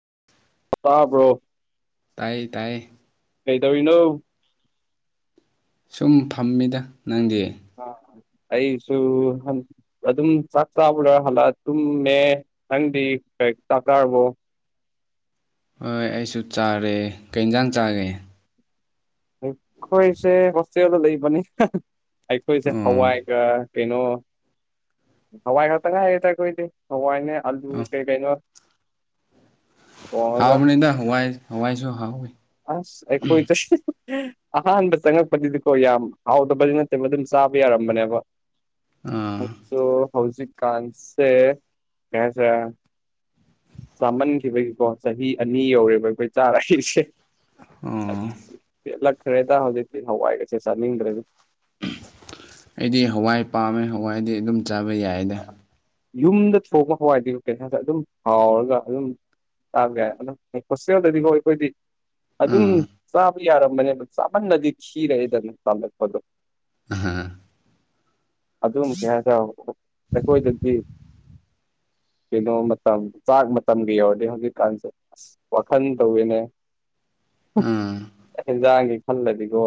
[inaudible] ꯇꯥꯕ꯭ꯔꯣ ꯇꯥꯏꯌꯦ ꯇꯥꯏꯌꯦ ꯀꯩꯗꯧꯔꯤꯅꯣ ꯁꯨꯝ ꯐꯝꯃꯤꯗ ꯅꯪꯗꯤ ꯑꯥ ꯑꯩꯁꯨ ꯍꯟ ꯑꯗꯨꯝ ꯆꯥꯛ ꯆꯥꯕ ꯂꯣꯏꯔ ꯍꯜꯂꯛꯑ ꯇꯨꯝꯃꯦ ꯅꯪꯗꯤ ꯆꯥꯛ ꯆꯥꯔꯕꯣ ꯍꯣꯏ ꯑꯩꯁꯨ ꯆꯥꯔꯦ ꯀꯩꯟꯖꯥꯡ ꯆꯥꯒꯦ ꯑꯩꯈꯣꯏꯁꯦ ꯍꯣꯁꯇꯦꯜꯗ ꯂꯩꯕꯅꯤ ꯑꯩꯈꯣꯏꯁꯦ ꯑꯣ ꯍꯋꯥꯏꯒ ꯀꯩꯅꯣ ꯍꯋꯥꯏ ꯈꯛꯇꯪ ꯉꯥꯏꯔꯦꯗ ꯑꯈꯣꯏꯗꯤ ꯍꯋꯥꯏꯅꯦ ꯑꯂꯨ ꯑꯣ ꯀꯩ ꯀꯩꯅꯣ ꯊꯣꯡꯉꯒ ꯍꯥꯎꯕꯅꯤꯗ ꯍꯋꯥꯏ ꯍꯋꯥꯏꯁꯨ ꯍꯥꯎꯋꯤ ꯑꯁ ꯑꯩꯈꯣꯏꯗ ꯑꯍꯥꯟꯕ ꯆꯪꯉꯛꯄꯗꯨꯗꯤꯀꯣ ꯌꯥꯝ ꯍꯥꯎꯗꯕꯗꯤ ꯅꯠꯇꯦꯕ ꯗꯨꯝ ꯆꯥꯕ ꯌꯥꯔꯝꯕꯅꯦꯕ ꯑꯥ ꯍꯧꯖꯤꯛ ꯀꯥꯟꯁꯦ ꯀꯩ ꯍꯥꯏꯁꯦꯔ ꯆꯥꯃꯟꯈꯤꯕꯒꯤꯀꯣ ꯆꯍꯤ ꯑꯅꯤ ꯌꯧꯔꯦꯕ ꯑꯩꯈꯣꯏ ꯆꯥꯔꯛꯏꯁꯦ ꯑꯣ ꯄꯦꯜꯂꯛꯈ꯭ꯔꯦꯗ ꯍꯧꯖꯤꯛꯇꯤ ꯍꯋꯥꯏꯒꯁꯦ ꯆꯥꯅꯤꯡꯗ꯭ꯔꯦꯗ ꯑꯩꯗꯤ ꯍꯋꯥꯏ ꯄꯥꯝꯃꯦ ꯍꯋꯥꯏꯗꯤ ꯑꯗꯨꯝ ꯆꯥꯕ ꯌꯥꯏꯌꯦꯗ ꯌꯨꯝꯗ ꯊꯣꯛꯄ ꯍꯋꯥꯏꯗꯤ ꯀꯩꯍꯥꯏ꯭ꯕꯗ ꯑꯗꯨꯝ ꯍꯥꯎꯔꯒ ꯑꯗꯨꯝ ꯆꯥꯕ ꯌꯥꯏ ꯑꯗꯨꯝ ꯍꯣꯁꯇꯦꯜꯗꯗꯤꯀꯣ ꯑꯩꯈꯣꯏꯗꯤ ꯑꯗꯨꯝ ꯑꯥ ꯆꯥꯕ ꯌꯥꯔꯝꯕꯅꯦꯅ ꯆꯥꯃꯟꯅꯗꯤ ꯈꯤꯔꯦꯗꯅ ꯇꯜꯂꯛꯄꯗꯣ ꯑꯥ ꯍꯥꯍꯥ ꯑꯗꯨꯝ ꯀꯩ ꯍꯥꯏꯇꯥ ꯑꯩꯈꯣꯏꯗꯗꯤ [inaudible] ꯀꯩꯅꯣ ꯃꯇꯝ ꯆꯥꯛ ꯃꯇꯝꯒ ꯌꯧꯔꯗꯤ ꯍꯧꯖꯤꯛꯀꯥꯟꯁꯦ ꯑꯁ ꯋꯥꯈꯟ ꯇꯧꯋꯦꯅꯦ ꯑꯥ ꯍꯦꯟꯖꯥꯡꯒꯤ ꯈꯜꯂꯗꯤꯀꯣ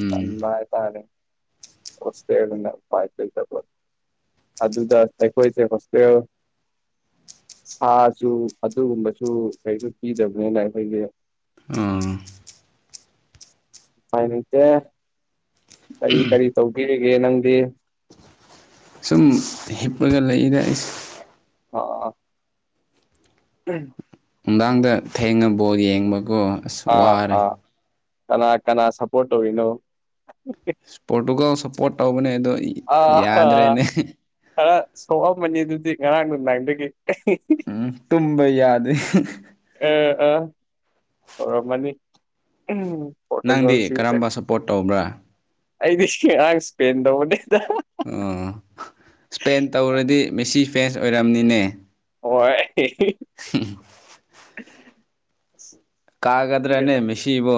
ꯎꯝ ꯇꯟꯕ ꯍꯥꯏ ꯇꯥꯔꯦ [unintelligible] ꯑꯗꯨꯗ ꯑꯩꯈꯣꯏꯁꯦ ꯍꯣꯁꯇꯦꯜ ꯁꯥꯁꯨꯨ ꯑꯗꯨꯒꯨꯝꯕꯁꯨ ꯀꯩꯁꯨ ꯄꯤꯗꯕꯅꯤꯅ ꯑꯩꯈꯣꯏꯒꯤ ꯎꯝ ꯎꯄꯥꯏ ꯂꯩꯇꯦ ꯀꯔꯤ ꯀꯔꯤ ꯇꯧꯕꯤꯔꯤꯒꯦ ꯅꯪꯗꯤ ꯁꯨꯝ ꯍꯤꯞꯔꯒ ꯂꯩꯗ ꯑꯩꯁ ꯑꯣ ꯑꯣ ꯑꯣ ꯎꯝ ꯅꯨꯡꯗꯥꯡꯗ ꯊꯦꯡꯉ ꯕꯣꯠ ꯌꯦꯡꯕꯒꯣ ꯑ꯭ꯁ ꯑꯥ ꯋꯥꯔꯦ ꯑꯥ ꯀꯅꯥ ꯀꯅꯥ ꯁꯞꯄꯣꯔꯠ ꯇꯧꯔꯤꯅꯣ ꯄꯣꯔꯇꯨꯒꯜ ꯁꯞꯄꯣꯔꯠ ꯇꯧꯕꯅꯦ ꯑꯗꯣ ꯑꯥ ꯑꯥ ꯌꯥꯗ꯭ꯔꯦꯅꯦ ꯈꯔ ꯁꯣꯛꯑꯝꯃꯅꯤ ꯑꯗꯨꯗꯤ ꯉꯔꯥꯡ ꯅꯨꯡꯗꯥꯥꯡꯗꯒꯤ ꯎꯝ ꯇꯨꯝꯕ ꯌꯥꯗꯦ ꯑ ꯑ ꯇꯧꯔꯝꯃꯅꯤ ꯎꯝ ꯅꯪꯗꯤ ꯄꯣꯔꯇꯨꯒꯜꯁꯤꯡꯁꯦ ꯀꯔꯝꯕ ꯁꯞꯄꯣꯔꯠ ꯇꯧꯕ꯭ꯔꯥ ꯑꯩꯗꯤꯁꯤ ꯑꯥꯡ ꯁ꯭ꯄꯦꯟ ꯇꯧꯕꯅꯤꯗ ꯑꯣ ꯁ꯭ꯄꯦꯟ ꯇꯧꯔꯗꯤ ꯃꯦꯁꯤ ꯐꯦꯟꯁ ꯑꯣꯏꯔꯝꯅꯤꯅꯦ ꯍꯣꯏ [unintelligible] [unintelligible] ꯀꯥꯒꯗ꯭ꯔꯦꯅꯦ ꯈꯪꯗꯦꯗ ꯃꯤꯁꯤꯕꯨ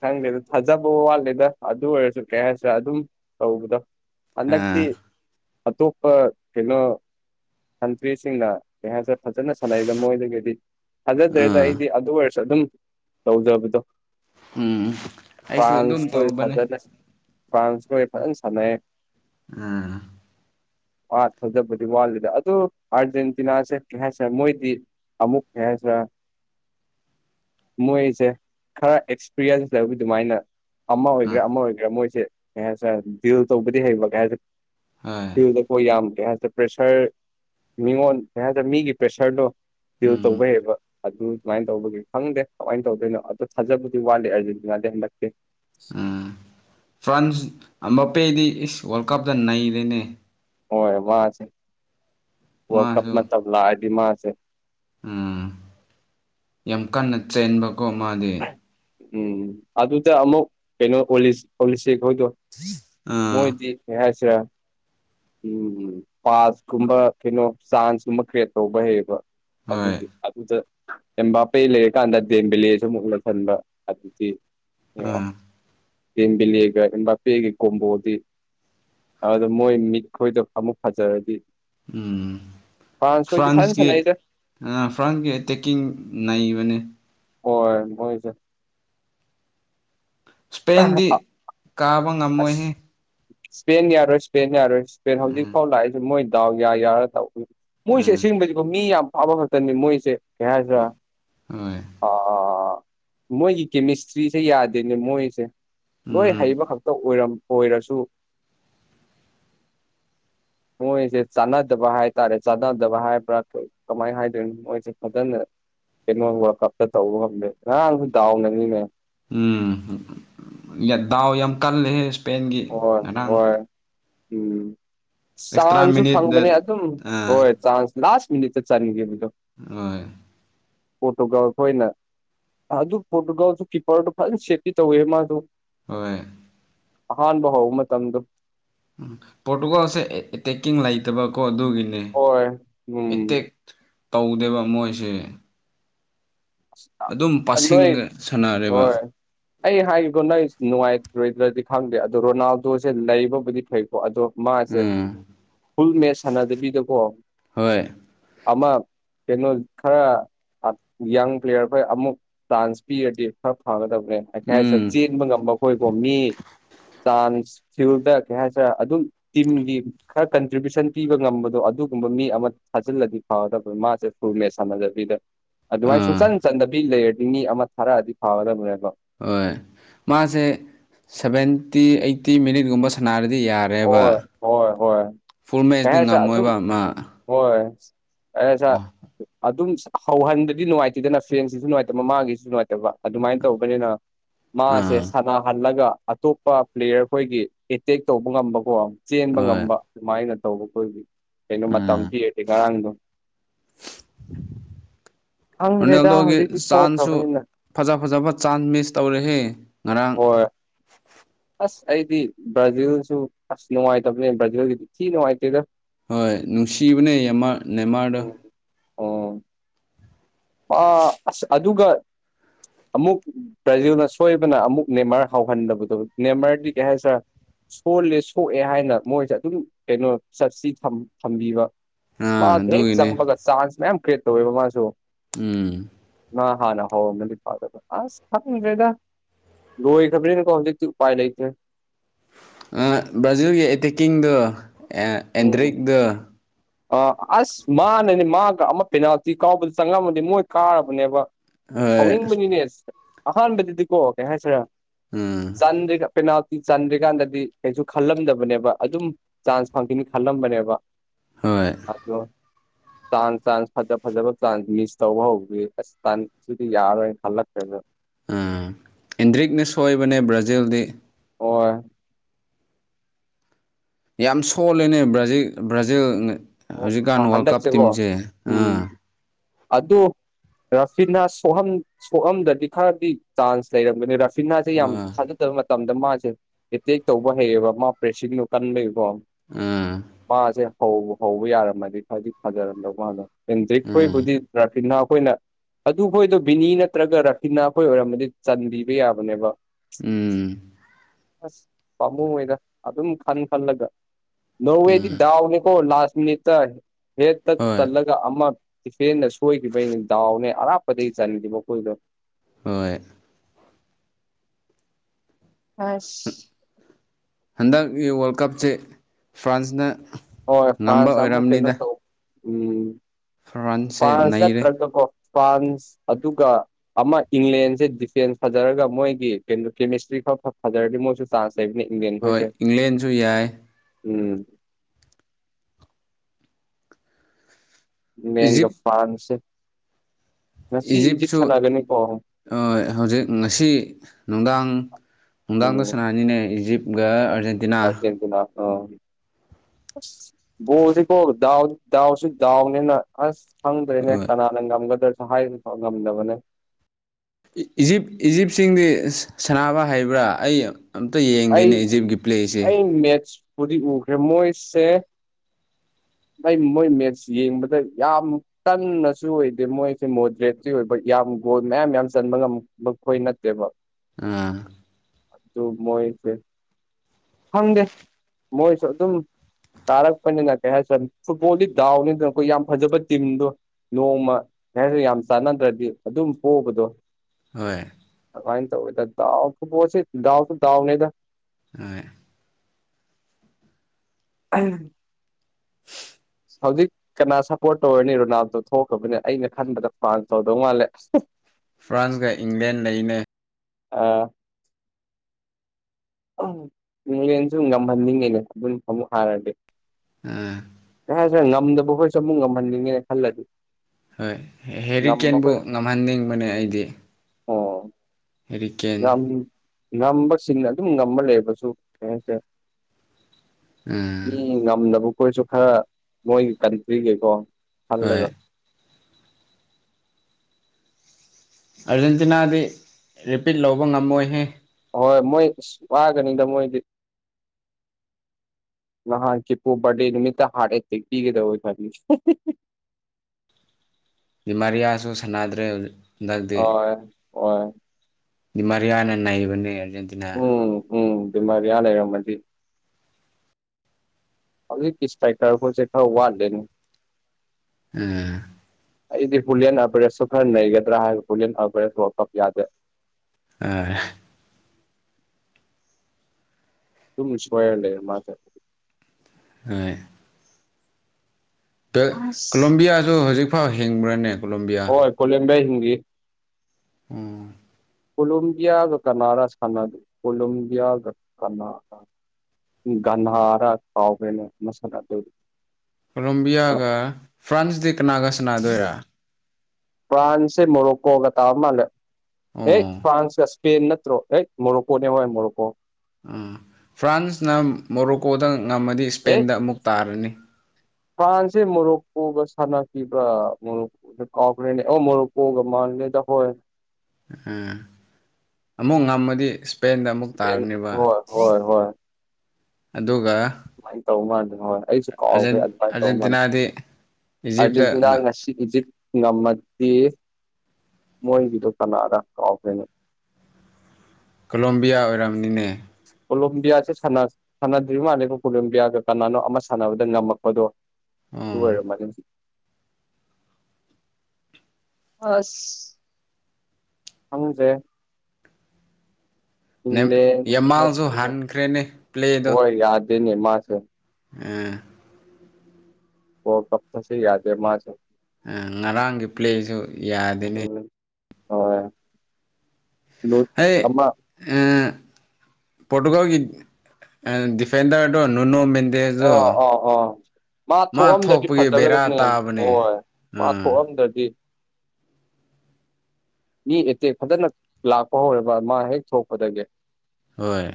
ꯈꯪꯗꯦꯗ ꯊꯥꯖꯕ ꯋꯥꯠꯂꯦꯗ ꯑꯗꯨ ꯑꯣꯏꯔꯁꯨ ꯀꯩ ꯍꯥꯏ ꯁꯤꯔꯥ ꯑꯗꯨꯝ ꯇꯧꯕꯗꯣ ꯍꯟꯗꯛꯇꯤ ꯑꯥ ꯑꯇꯣꯞꯄ ꯀꯩꯅꯣ ꯀꯟꯇ꯭ꯔꯤꯁꯤꯡꯅ ꯀꯩꯍꯥꯏꯁꯦ ꯐꯖꯅ ꯁꯥꯟꯅꯩꯗ ꯃꯣꯏꯗꯒꯤꯗꯤ ꯊꯥꯖꯗ꯭ꯔꯦꯗ ꯑꯥ ꯑꯩꯗꯤ ꯑꯗꯨꯑꯣꯏꯔꯁꯨ ꯑꯗꯨꯝ ꯇꯧꯖꯕꯗꯣ ꯎꯝ ꯑꯩꯁꯨ ꯑꯗꯨꯝ ꯐ꯭ꯔꯥꯟꯁ ꯍꯣꯏ ꯇꯧꯕꯅꯦ ꯐꯖꯅ ꯐ꯭ꯔꯥꯟꯁ ꯍꯣꯏ ꯐꯖꯟ ꯁꯥꯟꯅꯩꯩꯌꯦ ꯎꯝ ꯋꯥꯠ ꯐꯖꯕꯗꯤ ꯋꯥꯠꯂꯤꯗ ꯗꯣ ꯑꯔꯖꯦꯟꯇꯤꯅꯥꯁꯦ ꯀꯩ ꯍꯥꯏꯁꯤꯔ ꯃꯣꯏꯗꯤ ꯑꯃꯨꯛ ꯀꯩ ꯍꯥꯏꯁꯤꯔ ꯃꯣꯏꯁꯦ ꯈꯔ ꯑꯦꯛꯁꯄꯤꯔꯤꯌꯦꯟꯁ ꯂꯩꯕ ꯗꯨꯃꯥꯏꯅ ꯑꯃ ꯑꯥ ꯑꯣꯏꯒꯦꯔꯥ ꯑꯃ ꯑꯣꯏꯒꯦꯔꯥ ꯃꯣꯏꯁꯦ ꯀꯩ ꯍꯥꯏꯁꯤꯔ ꯗꯤꯜ ꯇꯧꯕꯗꯤ ꯍꯩꯕ ꯀꯩ ꯍꯥꯏꯁꯤ ꯍꯣꯏ ꯐꯤꯜꯗꯀꯣ ꯌꯥꯝ ꯀꯩ ꯍꯥꯏꯁꯤꯔ ꯄ꯭ꯔꯦꯁꯔ ꯃꯤꯉꯣꯟ ꯀꯩ ꯍꯥꯏꯁꯤꯔ ꯃꯤꯒꯤ ꯄ꯭ꯔꯦꯁꯔꯗꯣ ꯐꯤꯜ ꯎꯝ ꯇꯧꯕ ꯍꯩꯕ ꯑꯗꯨ ꯗꯨꯃꯥꯏ ꯇꯧꯕꯒꯤ ꯈꯪꯗꯦ ꯀꯃꯥꯏꯅ ꯇꯧꯗꯣꯏꯅꯣ ꯑꯗꯣ ꯊꯥꯖꯕꯗꯤ ꯋꯥꯠꯂꯦ ꯑꯔꯖꯦꯟꯇꯤꯅꯥ ꯁꯦ ꯍꯟꯗꯛꯇꯤ ꯎꯝ ꯐ꯭ꯔꯥꯟꯁ ꯑꯝꯕꯄꯦꯗꯤ ꯏꯁ ꯋꯥꯔꯜ ꯀꯞꯇ ꯅꯩꯔꯦꯅꯦ ꯍꯣꯏ ꯋꯥꯁꯦ ꯋꯥꯔꯜꯀꯞ ꯃꯥꯁꯨ ꯃꯇꯝ ꯂꯥꯛꯑꯗꯤ ꯃꯥꯁꯦ ꯎꯝ ꯌꯥꯝ ꯀꯟꯅ ꯆꯦꯟꯕꯀꯣ ꯃꯥꯗꯤ ꯎꯝ ꯑꯗꯨꯗ ꯑꯃꯨꯛ ꯀꯩꯅꯣ ꯑꯣꯂꯤꯁ ꯑꯣꯂꯤꯁ ꯇꯦꯛ ꯈꯣꯏꯗꯣ ꯑꯥ ꯃꯣꯏꯗꯤ ꯀꯩ ꯍꯥꯏꯁꯤꯔ ꯎꯝ ꯄꯥꯁꯀꯨꯝꯕ ꯀꯩꯅꯣ ꯆꯥꯟꯁꯀꯨꯝꯕ ꯀ꯭ꯔꯤꯌꯦꯠ ꯇꯧꯕ ꯍꯩꯌꯦꯕ ꯍꯣꯏ ꯑꯗꯨꯗꯤ ꯑꯗꯨꯗ ꯑꯦꯝꯕꯄꯦ ꯂꯩꯔꯀꯥꯟꯗ ꯗꯦꯝ ꯕꯤꯂꯦꯁꯁꯨ ꯃꯨꯛ [unintelligible] ꯑꯗꯨꯗꯤ ꯎꯝ ꯇꯦꯟꯕꯤꯂꯒ ꯑꯦꯝꯕꯄꯦꯒꯤ ꯀꯣꯝꯕꯣꯗꯤ ꯑꯗ ꯃꯣꯏ ꯃꯤꯠ ꯈꯣꯏꯗ ꯑꯃꯨꯛ ꯐꯖꯔꯗꯤ ꯎꯝ ꯐ꯭ꯔꯥꯟꯁ ꯍꯣꯏꯗꯤ ꯐꯖꯅ ꯐ꯭ꯔꯥꯟꯁꯀꯤ ꯁꯥꯟꯅꯩꯗ ꯐ꯭ꯔꯥꯟꯁꯀꯤ ꯑꯦꯇꯦꯛꯀꯤꯡ ꯅꯩꯕꯅꯦ ꯍꯣꯏ ꯃꯣꯏꯁꯦ ꯁ꯭ꯄꯦꯟꯗꯤ ꯀꯥꯕ ꯉꯝꯃꯣꯏꯍꯦ ꯁ꯭ꯄꯦꯟ ꯌꯥꯔꯣꯏ ꯁ꯭ꯄꯦꯟ ꯌꯥꯔꯣꯏ ꯁ꯭ꯄꯦꯟ ꯎꯝ ꯍꯧꯖꯤꯛꯐꯥꯎ ꯂꯥꯛꯏ ꯃꯣꯏ ꯗꯥꯎ ꯌꯥ ꯌꯥꯔ ꯇꯧꯕꯅꯦ ꯃꯣꯏꯁꯦ ꯎꯝ ꯑꯁꯦꯡꯕꯗꯤꯀꯣ ꯃꯤ ꯌꯥꯝ ꯐꯥꯕ ꯈꯛꯇꯅꯤ ꯃꯣꯏꯁꯦ ꯀꯩ ꯍꯥꯏꯁꯤꯔꯥ ꯑꯣꯏ ꯑ ꯃꯣꯏꯒꯤ ꯀꯦꯃꯤꯁꯇ꯭ꯔꯤꯁꯦ ꯌꯥꯗꯦꯅꯦ ꯃꯣꯏꯁꯦ ꯂꯣꯏ ꯎꯝ ꯍꯩꯕ ꯈꯛꯇ ꯑꯣꯏꯔꯝ ꯑꯣꯏꯔꯁꯨ [inaudible] ꯃꯣꯏꯁꯦ ꯆꯥꯟꯅꯗꯕ ꯍꯥꯏ ꯇꯥꯔꯦ ꯆꯥꯟꯅꯗꯕ ꯍꯥꯏꯕ꯭ꯔꯥ ꯀꯃꯥꯏ ꯍꯥꯏꯗꯣꯏꯅꯣ ꯃꯣꯏꯁꯦ ꯐꯖꯅ ꯀꯩꯅꯣ ꯋꯥꯔꯜ ꯀꯞꯇ ꯇꯧꯕ ꯉꯝꯗꯦ ꯉꯔꯥꯡꯁꯨ ꯗꯥꯎꯅꯅꯤꯅꯦ ꯎꯝ ꯌꯥ ꯗꯥꯎ ꯌꯥꯝ ꯀꯜꯂꯦꯍꯦ ꯁ꯭ꯄꯦꯟꯒꯤ ꯍꯣꯏ ꯉꯔꯥꯡ ꯍꯣꯏ ꯎꯝ ꯑꯦꯛꯁꯇ꯭ꯔꯥ ꯆꯥꯟꯁꯁꯨ ꯃꯤꯅꯤꯠꯗ ꯐꯪꯕꯅꯦ ꯑꯗꯨꯝ ꯍꯣꯏ ꯆꯥꯟꯁ ꯂꯥꯁ ꯃꯤꯅꯤꯠꯇ ꯆꯟꯒꯤꯕꯗꯣ ꯍꯣꯢ ꯄꯣꯔꯇꯨꯒꯜ ꯈꯣꯏꯅ ꯑꯗꯨ ꯄꯣꯔꯇꯨꯒꯜꯁꯨ ꯀꯤꯞꯄꯔꯗꯨ ꯐꯖꯟ ꯁꯦꯞꯇꯤ ꯇꯧꯋꯦꯍꯦ ꯃꯥꯁꯨ ꯍꯣꯏ ꯑꯍꯥꯟꯕ ꯍꯧꯕ ꯃꯇꯝꯗꯣ ꯄꯣꯔꯇꯨꯒꯜꯁꯦ ꯇꯦꯛꯀꯤꯡ ꯂꯩꯇꯕ ꯀꯣ ꯑꯗꯨꯒꯤꯅꯦ ꯍꯣꯏ ꯎꯝ ꯑꯦꯇꯦꯛ ꯇꯧꯗꯦꯕ ꯃꯣꯏꯁꯦ ꯑꯗꯨꯝ ꯅꯣꯏ ꯄꯥꯁꯤꯡꯒ ꯁꯥꯟꯅꯔꯦꯕ ꯍꯣꯏ ꯑꯩ ꯍꯥꯏꯒꯦꯀꯣ ꯅꯣꯏ ꯅꯨꯡꯉꯥꯏ ꯔꯣꯏꯗ꯭ꯔꯗꯤ ꯈꯪꯗꯦ ꯑꯗꯣ ꯔꯣꯅꯥꯜꯗꯣꯁꯦ ꯅꯩꯕꯕꯨꯗꯤ ꯐꯩꯀꯣ ꯑꯗꯣ ꯃꯥꯁꯦ ꯎꯝ ꯐꯨꯜ ꯃꯦꯁ ꯁꯥꯟꯅꯗꯕꯤꯗꯀꯣ ꯍꯣꯏ ꯑꯃ ꯀꯩꯅꯣ ꯈꯔ ꯌꯪ ꯄ꯭ꯂꯦꯌꯔꯈꯣꯏ ꯑꯃꯨꯛ ꯆꯥꯟꯁ ꯄꯤꯔꯗꯤ ꯈꯔ ꯐꯒꯗꯕ ꯎꯝ [unintelligible] ꯆꯦꯟꯕ ꯉꯝꯕ ꯈꯣꯏꯕꯣ ꯃꯤ ꯆꯥꯟꯁ ꯁꯤꯕꯣꯛꯇ ꯀꯩ ꯍꯥꯏꯁꯤꯔꯦ ꯑꯗꯨꯝ ꯇꯤꯝꯒꯤ ꯈꯔ ꯀꯟꯇ꯭ꯔꯤꯕ꯭ꯌꯨꯁꯟ ꯄꯤꯕ ꯉꯝꯕꯗꯣ ꯑꯗꯨꯒꯨꯝꯕ ꯃꯤ ꯑꯃ ꯊꯥꯖꯤꯜꯂꯗꯤ ꯐꯒꯗꯕ ꯃꯥꯁꯦ ꯐꯨꯜ ꯃꯦꯠꯁ ꯁꯥꯟꯅꯗꯕꯤꯗ ꯑꯗꯨꯃꯥꯏꯅ ꯑꯥ ꯕꯤ ꯂꯩꯔꯗꯤ ꯃꯤ ꯑꯃ ꯊꯥꯔꯛꯑꯗꯤ ꯐꯒꯗꯕꯅꯦꯕ ꯍꯣꯏ ꯃꯥꯁꯦ ꯁꯚꯦꯟꯇꯤ ꯑꯩꯠꯇꯤ ꯃꯤꯅꯤꯠꯀꯨꯝꯕ ꯁꯥꯟꯅꯔꯗꯤ ꯌꯥ ꯔꯦꯕ ꯍꯣꯏ ꯍꯣꯏ ꯍꯣꯏ ꯐꯨꯜ ꯀꯩ ꯃꯦꯁꯇ ꯉꯝꯃꯣꯏꯕ ꯃꯥ ꯑꯦꯁꯥ ꯑꯗꯨꯝ ꯍꯧꯍꯟꯕꯗꯤ ꯅꯨꯡꯉꯥꯏꯇꯦꯗꯅ ꯐ꯭ꯔꯦꯟꯁꯤꯁꯨ ꯅꯨꯡꯉꯥꯏꯇꯕ ꯃꯥꯃꯥꯡꯒꯤꯁꯨ ꯅꯨꯡꯉꯥꯏꯇꯕ ꯑꯗꯨꯃꯥꯏꯅ ꯇꯧꯕꯅꯤꯅ ꯃꯥꯁꯦ ꯑꯥ ꯁꯥꯟꯅꯍꯜꯂꯒ ꯑꯇꯣꯞꯄ ꯄ꯭ꯂꯦꯌꯔ ꯈꯣꯏꯒꯤ ꯑꯦꯇꯦꯛ ꯇꯧꯕ ꯉꯝꯕꯀꯣ ꯆꯦꯟꯕ ꯍꯣꯏ ꯉꯝꯕ ꯑꯗꯨꯃꯥꯏꯅ ꯇꯧꯕ ꯈꯣꯏꯒꯤ ꯀꯩꯅꯣ ꯃꯇꯝ ꯄꯤꯔꯗꯤ ꯉꯔꯥꯡꯒꯤꯗꯣ ꯔꯣꯅꯥꯜꯗꯣꯒꯤ ꯍꯧꯖꯤꯛꯇꯤ ꯆꯥꯟꯁꯁꯨ ꯊꯣꯛꯈ꯭ꯔꯕꯅꯤꯅ ꯐꯖ ꯐꯖꯕ ꯆꯥꯟꯁ ꯃꯤꯁ ꯇꯧꯔꯦꯍꯦ ꯉꯔꯥꯡ ꯍꯣꯏ ꯑꯁ ꯑꯩꯗꯤ ꯕ꯭ꯔꯥꯖꯤꯜꯁꯨ ꯑꯁ ꯅꯨꯡꯉꯥꯏꯇꯕꯅꯦ ꯕ꯭ꯔꯥꯖꯤꯜꯒꯤꯗꯤ ꯊꯤ ꯅꯨꯡꯉꯥꯏꯇꯦꯗ ꯍꯣꯏ ꯅꯨꯡꯁꯤꯕꯅꯦ ꯌꯦꯃꯥꯔ ꯅꯦꯃꯥꯔꯗꯣ ꯑꯣ ꯑ ꯑꯁ ꯑꯗꯨꯒ ꯑꯃꯨꯛ ꯄ꯭ꯔꯖꯤꯜꯅ ꯁꯣꯏꯕꯅ ꯑꯃꯨꯛ ꯅꯦꯃꯔ ꯍꯥꯎꯍꯟꯗꯕꯗꯣ ꯅꯦꯃꯔꯗꯤ ꯀꯩ ꯍꯥꯏꯁꯤꯔ ꯁꯣꯜꯂꯦ ꯁꯣꯛꯑꯦ ꯍꯥꯏꯅ ꯃꯣꯏꯁꯦ ꯑꯗꯨꯝ ꯀꯩꯅꯣ ꯆꯞꯁꯤ ꯊꯝꯕꯤꯕ ꯑꯥ ꯃꯥꯗꯣ ꯍꯦꯛ ꯑꯗꯨꯒꯤꯅꯦ ꯆꯪꯕꯒ ꯆꯥꯟꯁ ꯃꯌꯥꯝ ꯀ꯭ꯔꯦꯠ ꯇꯧꯋꯦꯕ ꯃꯥꯁꯨ ꯎꯝ ꯃꯥ ꯍꯥꯟꯅ ꯍꯧꯔꯝꯃꯗꯤ ꯐꯗꯧꯕ ꯑꯥꯁ ꯈꯪꯗ꯭ꯔꯦꯗ ꯂꯣꯢꯈ꯭ꯔꯕꯅꯤꯅꯀꯣ ꯍꯧꯖꯤꯛꯇꯤ ꯎꯄꯥꯏ ꯂꯩꯇꯦ ꯕ꯭ꯔꯥꯖꯤꯜꯒꯤ ꯑꯦꯇꯦꯛꯀꯤꯡꯗꯣ ꯑ ꯎꯝ ꯑꯦꯟꯗ꯭ꯔꯤꯛꯗꯣ ꯑ ꯑꯁ ꯃꯥꯅꯅꯦ ꯃꯥꯒ ꯑꯃ ꯄꯦꯅꯥꯜꯇꯤ ꯀꯥꯎꯕꯗ ꯆꯪꯉꯝꯃꯗꯤ ꯃꯣꯏ ꯀꯥꯔꯕꯅꯦꯕ ꯍꯣꯏ ꯍꯧꯅꯤꯡꯕꯅꯤꯅꯦ ꯑꯍꯥꯟꯕꯗꯗꯤꯀꯣ ꯀꯩ ꯍꯥꯏꯁꯤꯔ ꯎꯝ ꯆꯟꯗ꯭ꯔꯤꯒ ꯄꯦꯅꯥꯜꯇꯤ ꯆꯟꯗ꯭ꯔꯤꯀꯥꯟꯗꯗꯤ ꯀꯩꯁꯨ ꯈꯜꯂꯝꯗꯕꯅꯦꯕ ꯑꯗꯨꯝ ꯆꯥꯟꯁ ꯐꯪꯈꯤꯅꯤ ꯈꯜꯂꯝꯕꯅꯦꯕ ꯍꯣꯏ ꯑꯗꯣ ꯆꯥꯟꯁ ꯆꯥꯟꯁ ꯐꯖ ꯐꯖꯕ ꯆꯥꯟꯁ ꯃꯤꯁ ꯇꯧꯕ ꯍꯧꯈꯤꯕꯒꯤ ꯑꯁ ꯐ꯭ꯔꯥꯁꯁꯤꯗꯤ ꯌꯥꯔꯣꯏꯅ ꯈꯜꯂꯛꯈ꯭ꯔꯦꯗ ꯑꯥ ꯑꯦꯟꯗ꯭ꯔꯤꯛꯅ ꯁꯣꯏꯕꯅꯦ ꯕ꯭ꯔꯥꯖꯤꯜꯗꯤ ꯍꯣꯢ ꯌꯥꯝ ꯁꯣꯜꯂꯦꯅꯦ ꯕ꯭ꯔꯥꯖꯤꯜ ꯕ꯭ꯔꯥꯖꯤꯜꯅꯦ ꯍꯧꯖꯤꯛꯀꯥꯟ ꯋꯥꯔꯜ ꯀꯞ ꯍꯟꯗꯛꯁꯦꯀꯣ ꯇꯤꯝꯁꯦ ꯎꯝ ꯑꯥ ꯑꯗꯨ ꯔꯥꯐꯤꯅꯥ ꯁꯣꯛꯍꯝꯗ꯭ꯔꯗꯤ ꯈꯔꯗꯤ ꯆꯥꯟꯁ ꯂꯩꯔꯝꯒꯅꯤꯗ ꯐꯤꯅꯥꯁꯦ ꯌꯥꯝ ꯑꯥ ꯊꯥꯖꯗꯕ ꯃꯇꯝꯗ ꯃꯥꯁꯦ ꯑꯦꯇꯦꯛ ꯇꯧꯕ ꯍꯩꯌꯦꯕ ꯃꯥ ꯄ꯭ꯔꯦꯁꯤꯡꯗꯨ ꯀꯟꯕꯩ ꯀꯣ ꯑꯥ ꯃꯥꯁꯦ ꯍꯧꯕꯨ ꯍꯧꯕ ꯌꯥꯔꯝꯃꯗꯤ ꯈꯔꯗꯤ ꯐꯖꯔꯝꯗꯧ ꯃꯥꯜꯂꯦ ꯑꯦꯟꯗ꯭ꯔꯤꯛ ꯈꯣꯏꯕꯨꯗꯤ ꯎꯝ ꯗ꯭ꯔꯥꯐꯤꯅꯥꯎ ꯈꯣꯏꯅ ꯑꯗꯨꯈꯣꯏꯗꯣ ꯕꯤꯠꯅꯤ ꯅꯠꯇ꯭ꯔꯒ ꯔꯐꯤꯅꯥ ꯈꯣꯏ ꯑꯣꯏꯔꯝꯃꯗꯤ ꯆꯟꯕꯤꯕ ꯌꯥꯕꯅꯦꯕ ꯎꯝ ꯑꯁ ꯄꯥꯝꯃꯨꯌꯦꯗ ꯑꯗꯨꯝ ꯈꯟ ꯈꯜꯂꯒ ꯅꯣꯔꯋꯦꯗꯤ ꯎꯝ ꯗꯥꯎꯅꯤꯀꯣ ꯂꯥꯁ ꯅꯤꯇꯥꯢ ꯔꯦꯠꯇ ꯍꯣꯏ ꯆꯜꯂꯒ ꯑꯃ ꯗꯤꯐꯦꯟꯅ ꯁꯣꯏꯈꯤꯕꯩꯩꯅꯦ ꯗꯥꯎꯅꯦ ꯑꯔꯥꯞꯄꯗꯩ ꯆꯟꯒꯤꯕ ꯈꯣꯏꯗꯣ ꯍꯣꯏ ꯑꯁ ꯍꯟꯗꯛꯒꯤ ꯋꯥꯔꯜ ꯀꯞꯁꯦ ꯐ꯭ꯔꯥꯟꯁꯅ ꯍꯣꯏ ꯉꯝꯕ ꯐ꯭ꯔꯥꯟꯁꯅ ꯑꯃꯨꯛ ꯀꯩꯅꯣ ꯑꯣꯏꯔꯝꯅꯤꯗ ꯇꯧ ꯎꯝ ꯐ꯭ꯔꯥꯟꯁꯁꯦ ꯄꯥꯁ ꯅꯩꯔꯦ ꯆꯠꯇ꯭ꯔꯒꯀꯣ ꯐ꯭ꯔꯥꯟꯁ ꯑꯗꯨꯒ ꯑꯃ ꯏꯪꯂꯦꯟꯁꯦ ꯗꯤꯐꯦꯟꯁ ꯐꯖꯔꯒ ꯃꯣꯏꯒꯤ ꯀꯩꯅꯣ ꯀꯦꯃꯤꯁꯇ꯭ꯔꯤ ꯢꯐ ꯐ ꯐꯖꯔꯗꯤ ꯃꯣꯏꯁꯨ ꯆꯥꯟꯁ ꯂꯩꯕꯅꯤ ꯏꯪꯂꯦꯟ ꯍꯣꯏ ꯈꯣꯏꯁꯦ ꯏꯪꯂꯦꯟꯁꯨ ꯌꯥꯏ ꯎꯝ ꯏꯪꯂꯦꯟꯒ ꯏꯖꯤꯞ ꯐ꯭ꯔꯥꯟꯁ ꯁꯦ ꯉꯁꯤ ꯏꯖꯤꯞ ꯁꯥꯟꯅꯒꯅꯤꯀꯣ ꯑꯣꯏ ꯍꯧꯖꯤꯛ ꯉꯁꯤ ꯅꯨꯡꯗꯥꯡ ꯅꯨꯡꯗꯥꯡꯗ ꯎꯝ ꯁꯅꯥꯅꯤꯅꯦ ꯏꯖꯤꯞ ꯒ ꯑꯥꯔꯖꯦꯟꯇꯤꯅꯥ ꯑꯣ ꯑꯁ ꯕꯣꯜꯁꯦꯀꯣ ꯗꯥꯎ ꯗꯥꯎꯁꯤ ꯗꯥꯎꯅꯤꯅ ꯑꯁ ꯈꯪꯗ꯭ꯔꯦꯅꯦ ꯀꯅꯥꯅ ꯉꯝꯒꯗꯕꯁꯨ ꯍꯥꯏꯕꯐꯥꯎ ꯉꯝꯗꯕꯅꯦ ꯏ ꯢꯖꯤꯞ ꯏꯖꯤꯞꯁꯤꯡꯗꯤ ꯁꯥꯟꯅꯕ ꯍꯩꯕ꯭ꯔꯥ ꯑꯩ ꯑꯝꯇ ꯌꯦꯡꯗꯦꯅꯦ ꯏꯖꯤꯞꯀꯤ ꯄ꯭ꯂꯦꯁꯦ ꯎꯗꯤ ꯎꯈ꯭ꯔꯦ ꯃꯣꯏꯁꯦ ꯑꯩ ꯃꯣꯏ ꯃꯦꯠꯁ ꯌꯦꯡꯕꯗ ꯌꯥꯝ ꯀꯟꯅꯁꯨ ꯑꯣꯏꯗꯦ ꯃꯣꯏꯁꯦ ꯃꯣꯗ꯭ꯔꯦꯠꯇꯤ ꯑꯣꯏꯕ ꯌꯥꯝ ꯒꯣꯜ ꯃꯌꯥꯝ ꯌꯥꯝ ꯆꯟꯕ ꯉꯝꯕꯈꯣꯏ ꯅꯠꯇꯦꯕ ꯎꯝ ꯗꯨ ꯃꯣꯏꯁꯦ ꯈꯪꯗꯦ ꯃꯣꯏꯁꯨ ꯑꯗꯨꯝ ꯇꯥꯔꯛꯄꯅꯤꯅ ꯀꯩ ꯍꯥꯏꯁ ꯇꯝ ꯐꯨꯠꯕꯣꯜꯗꯤ ꯗꯥꯎꯅꯤꯗꯅꯀꯣ ꯌꯥꯝ ꯐꯖꯕ ꯇꯤꯝꯗꯣ ꯅꯣꯡꯃ ꯀꯩꯍꯥꯏꯇꯥꯔꯦ ꯌꯥꯝ ꯆꯥꯟꯅꯗ꯭ꯔꯗꯤ ꯑꯗꯨꯝ ꯄꯣꯕꯗꯣ ꯍꯣꯏ ꯥꯑꯗꯨꯃꯥꯏ ꯇꯧꯋꯦꯗ ꯗꯥꯎ ꯐꯨꯠꯕꯣꯜꯁꯦ ꯗꯥꯎꯁꯨ ꯗꯥꯎ ꯅꯦꯗ [inaudible] ꯑꯍꯝ [unintelligible] ꯍꯧꯖꯤꯛ ꯀꯅꯥ ꯁꯞꯄꯣꯔꯠ ꯇꯧꯔꯅꯤ ꯔꯣꯅꯥꯜꯗꯣ ꯊꯣꯛꯈ꯭ꯔꯕꯅꯦ ꯑꯩꯅ ꯈꯟꯕꯗ ꯐꯥꯟꯁ ꯇꯧꯗꯧ ꯃꯥꯜꯂꯦ ꯑꯁ ꯐ꯭ꯔꯥꯟꯁꯒ ꯏꯪꯂꯦꯟ ꯂꯩꯅꯦ ꯑꯥ ꯎꯝ ꯏꯪꯂꯦꯟꯁꯨ ꯉꯝꯍꯟꯅꯤꯡꯉꯦꯅꯦ ꯑꯗꯨꯝ ꯑꯃꯨꯛ ꯍꯥꯏꯔꯗꯤ ꯑꯥ ꯀꯩꯍꯥꯏꯁꯤꯔ ꯉꯝꯗꯕ ꯈꯣꯏꯁꯨ ꯑꯃꯨꯛ ꯉꯝꯍꯟꯅꯤꯡꯉꯦ ꯈꯜꯂꯗꯤ ꯍꯣꯏ ꯍꯦ ꯉꯝꯕ ꯍꯦꯔꯤꯀꯦꯟꯕꯨ ꯑꯩꯈꯣꯏ ꯉꯝꯍꯟꯅꯤꯡꯕꯅꯦ ꯑꯩꯗꯤ ꯑꯣ ꯍꯦꯔꯤꯀꯦꯟ ꯉꯝ ꯉꯝꯕꯁꯤꯡꯅ ꯑꯗꯨꯝ ꯉꯝꯕ ꯂꯩꯕꯁꯨ ꯀꯩꯍꯥꯏꯇꯥꯔꯦ ꯎꯝ ꯃꯤ ꯉꯝꯅꯕ ꯈꯣꯏꯁꯨ ꯈꯔ ꯃꯣꯏꯒꯤ ꯀꯟꯇ꯭ꯔꯤꯒꯦꯀꯣ ꯍꯣꯏ ꯈꯜꯂꯒ ꯑꯥꯔꯖꯦꯟꯇꯤꯅꯥꯗꯤ ꯔꯤꯄꯤꯠ ꯂꯧꯕ ꯉꯝꯃꯣꯏꯍꯦ ꯍꯣꯏ ꯃꯣꯏ ꯑꯁ ꯋꯥꯒꯅꯤꯗ ꯃꯣꯏꯗꯤ [inaudible] ꯂꯍꯥꯟ ꯀꯤꯄꯣ ꯕꯔꯠꯗꯦ ꯅꯨꯃꯤꯠꯇ ꯍꯥꯔꯠ ꯑꯦꯇꯦꯛ ꯄꯤꯒꯦ ꯇꯧꯋꯦ ꯕ꯭ꯔꯖꯤꯜ ꯗꯤꯃꯥꯔꯤꯌꯥꯁꯨ ꯁꯅꯥꯗ꯭ꯔꯦ ꯍꯧꯖꯤꯛ ꯍꯣꯢ ꯍꯣꯢ ꯗꯤꯃꯥꯔꯤꯌꯥꯅ ꯅꯩꯕꯅꯤ ꯑꯔꯖꯦꯟꯇꯤꯅꯥ ꯎꯝ ꯎꯝ ꯗꯤꯃꯥꯔꯤꯌꯥ ꯂꯩꯔꯝꯃꯗꯤ ꯍꯧꯖꯤꯛ ꯀꯤ ꯁꯇ꯭ꯔꯥꯢꯀꯔ ꯈꯣꯢꯁꯦ ꯈꯔ ꯋꯥꯠꯂꯦꯅꯦ ꯎꯝ ꯑꯩꯗꯤ ꯍꯨꯂꯤꯌꯟ ꯑꯕꯔꯦꯁꯁꯨ ꯈꯔ ꯅꯩꯒꯗ꯭ꯔꯥ ꯍꯥꯏꯔ ꯍꯨꯂꯤꯌꯟ ꯑꯕꯔꯦꯁ ꯋꯥꯔꯜ ꯀꯞ ꯌꯥꯗꯦ ꯑ ꯑꯗꯨꯝ ꯁꯣꯢꯔ ꯂꯩꯔꯦ ꯃꯥꯖꯦ ꯍꯣꯢ ꯗ ꯑꯁ ꯀꯣꯂꯣꯝꯕꯤꯌꯥꯁꯨ ꯍꯧꯖꯤꯛꯐꯥꯎ ꯍꯤꯡꯕ꯭ꯔꯥꯅꯦ ꯍꯣꯢ ꯀꯣꯂꯦꯝꯕ꯭ꯌꯥ ꯍꯤꯡꯂꯤ ꯎꯝ ꯀꯣꯂꯣꯝꯕꯤꯌꯥꯒ ꯀꯅꯥꯔ ꯁꯥꯟꯅꯗꯦ ꯀꯣꯂꯣꯝꯕꯤꯌꯥꯒ ꯀꯅꯥꯔ ꯒꯥꯟꯍꯥꯔ ꯔ ꯀꯥꯎꯈ꯭ꯔꯦꯅꯦ ꯃꯁꯛ ꯑꯇꯩꯗꯤ ꯀꯣꯂꯣꯝꯕꯤꯌꯥꯒ ꯐ꯭ꯔꯥꯟꯁꯇꯤ ꯀꯅꯥꯒ ꯁꯥꯟꯅꯗꯣꯏꯔꯥ ꯐ꯭ꯔꯥꯟꯁꯁꯦ ꯃꯣꯔꯣꯀꯣꯒ ꯇꯥꯕ ꯃꯥꯂꯦ ꯍꯩꯠ ꯑꯣ ꯐ꯭ꯔꯥꯟꯁ ꯁꯦ ꯁꯄꯦꯟ ꯅꯠꯇ꯭ꯔꯣ ꯍꯩꯠ ꯃꯣꯔꯣꯛꯀꯣꯅꯦ ꯍꯣꯏ ꯃꯣꯔꯣꯛꯀꯣ ꯎꯝ ꯐ꯭ꯔꯥꯟꯁꯅ ꯃꯣꯔꯣꯀꯣꯗ ꯉꯝꯃꯗꯤ ꯑꯦ ꯁ꯭ꯄꯦꯟꯗ ꯑꯃꯨꯛ ꯇꯥꯔꯅꯤ ꯐ꯭ꯔꯥꯟꯁꯁꯦ ꯃꯣꯔꯣꯛꯀꯣꯒ ꯁꯥꯟꯅꯈꯤꯕ꯭ꯔꯥ ꯃꯣꯔꯣꯛꯀꯣꯗ ꯀꯥꯎꯈ꯭ꯔꯦꯅꯦ ꯑꯣ ꯃꯣꯔꯣꯛꯀꯣꯒ ꯃꯥꯜꯂꯤ ꯂꯦꯗ ꯍꯣꯏ ꯎꯝ ꯑꯃꯨꯛ ꯉꯝꯃꯗꯤ ꯏꯁ ꯄꯦꯟꯗ ꯑꯃꯨꯛ ꯇꯥꯔꯅꯦꯕ ꯍꯣꯏ ꯍꯣꯏ ꯍꯣꯏ ꯑꯗꯨꯒ ꯑꯗꯨꯃꯥꯏꯅ ꯇꯧ ꯃꯥꯜꯂꯦ ꯍꯣꯏ ꯑꯩꯁꯨ ꯑꯔꯖꯦꯟ ꯀꯥꯎꯈ꯭ꯔꯦ ꯑꯗꯨꯃꯥꯏꯅ ꯇꯧ ꯃꯥꯅꯤ ꯑꯥꯔꯖꯦꯟꯇꯤꯅꯥꯗꯤ ꯏꯖꯤꯞꯇ ꯑꯥꯔꯖꯦꯟꯇꯤꯅꯥ ꯉꯁꯤ ꯏꯖꯤꯞ ꯉꯝꯃꯗꯤ ꯃꯣꯏꯒꯤꯗꯣ ꯀꯅꯥꯔꯥ ꯀꯥꯎꯈ꯭ꯔꯦꯅꯦ ꯀꯣꯂꯣꯝꯕꯤꯌꯥ ꯑꯣꯏꯔꯝꯅꯤꯅꯦ ꯀꯣꯂꯣꯝꯕꯤꯌꯥꯁꯦ ꯁꯟꯅ ꯁꯥꯟꯅꯗ꯭ꯔꯤꯕ ꯃꯥꯜꯂꯦ ꯀꯣꯂꯣꯝꯕꯤꯌꯥꯒ ꯀꯅꯥꯅꯣ ꯑꯃ ꯁꯥꯟꯅꯕꯗ ꯉꯝꯃꯛꯄꯗꯣ ꯑꯗꯨ ꯑꯣ ꯑꯣꯏꯔꯝꯃꯅꯦ ꯖꯤ [inaudible] ꯑꯁ ꯈꯪꯗꯦ ꯏꯪꯂꯦꯟ ꯌꯃꯥꯜꯁꯨ ꯅꯠꯇ꯭ꯔꯒ ꯍꯟꯈ꯭ꯔꯦꯅꯦ ꯑꯣꯏ ꯌꯥꯗꯦꯅꯦ ꯃꯥꯁꯦ ꯎꯝ ꯋꯥꯔꯜ ꯀꯞꯇꯁꯨ ꯌꯥꯗꯦ ꯃꯥꯁꯦ ꯑ ꯉꯔꯥꯡꯒꯤ ꯄ꯭ꯂꯦꯖꯨ ꯌꯥꯗꯦꯅꯦ ꯍꯣꯢ ꯑꯩ ꯑ ꯄꯣꯔꯇꯨꯒꯜꯒꯤ ꯗꯤꯐꯦꯟꯗꯔꯗꯣ ꯅꯣꯅꯣꯃꯤꯟ ꯑꯣ ꯑꯣ ꯑꯣ ꯃꯥ ꯊꯣꯛꯑꯝꯗ꯭ꯔꯗꯤ ꯊꯣꯛꯄꯒꯤ ꯕꯦꯔꯥ ꯐꯖꯒꯗꯕꯅꯦ ꯇꯥꯕꯅꯦ ꯍꯣꯏ ꯃꯥ ꯎꯝ ꯊꯣꯛꯑꯝꯗ꯭ꯔꯗꯤ ꯃꯤ ꯑꯦꯇꯦꯛ ꯐꯖꯟ ꯂꯥꯛꯄ ꯍꯧꯔꯦꯕ ꯃꯥ ꯍꯦꯛ ꯊꯣꯛꯄꯗꯒꯤ ꯍꯣꯏ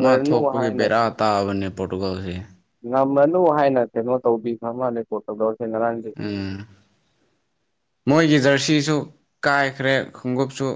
ꯃꯥ ꯊꯣꯛꯄꯒꯤ ꯍꯥꯏꯅ ꯕꯦꯔꯥ ꯇꯥꯕꯅꯦ ꯄꯣꯔꯇꯨꯒꯜꯁꯦ ꯉꯝꯃꯅꯨ ꯍꯥꯏꯅ ꯀꯩꯅꯣ ꯇꯧꯕꯤꯈ꯭ꯔꯃꯥꯟꯅꯦ ꯄꯣꯔꯇꯨꯒꯜ ꯎꯝ ꯃꯣꯏꯒꯤ ꯖ꯭ꯔꯁꯤꯁꯨ ꯀꯥꯏꯈ꯭ꯔꯦ ꯈꯣꯡꯎꯞꯁꯨ